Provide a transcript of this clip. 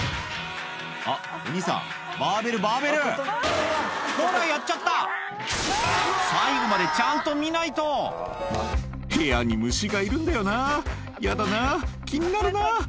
あっお兄さんバーベルバーベルほらやっちゃった最後までちゃんと見ないと「部屋に虫がいるんだよなヤダな気になるな」